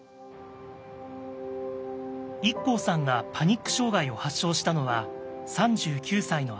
ＩＫＫＯさんがパニック障害を発症したのは３９歳の秋。